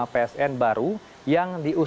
dua ratus empat puluh lima psn baru yang diusulkan